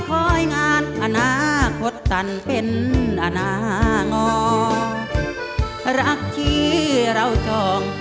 คอยงานอนาคตสั่นเป็นอนางอรักที่เราจอง